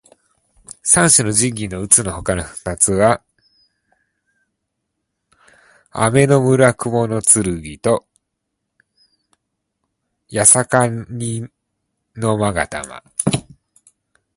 三種の神器のうつのほかの二つは天叢雲剣と八尺瓊勾玉。